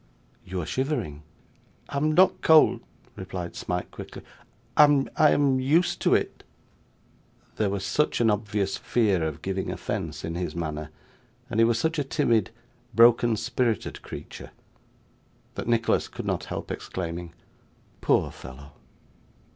'You are shivering.' 'I am not cold,' replied Smike quickly. 'I am used to it.' There was such an obvious fear of giving offence in his manner, and he was such a timid, broken spirited creature, that Nicholas could not help exclaiming, 'Poor fellow!